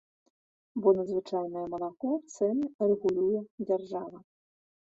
Бо на звычайнае малако цэны рэгулюе дзяржава.